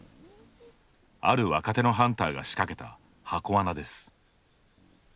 ある若手のハンターが仕掛けた箱わなです。